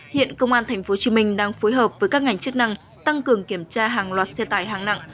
hiện công an tp hcm đang phối hợp với các ngành chức năng tăng cường kiểm tra hàng loạt xe tải hạng nặng